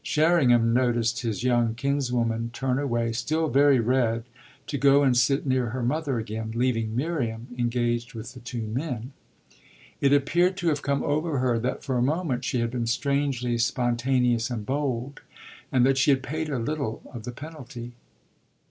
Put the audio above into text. Sherringham noticed his young kinswoman turn away, still very red, to go and sit near her mother again, leaving Miriam engaged with the two men. It appeared to have come over her that for a moment she had been strangely spontaneous and bold, and that she had paid a little of the penalty.